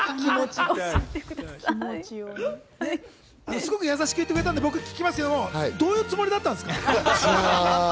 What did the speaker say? すごく優しく言ってくれたんですけれども僕聞きますよ。どういうつもりだったんですか？